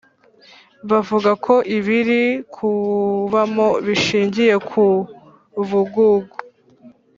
bavuga ko ibiri kuwubamo bishingiye ku bugugu